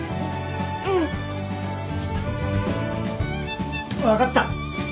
ううん。分かった。